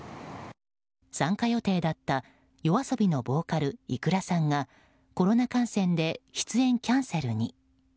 参加予定だったＹＯＡＳＯＢＩのボーカルｉｋｕｒａさんがコロナ感染で出演キャンセルに。